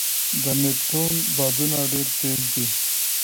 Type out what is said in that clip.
د نیپټون بادونه ډېر تېز دي.